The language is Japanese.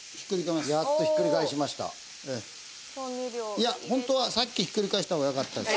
いや本当はさっきひっくり返した方がよかったです。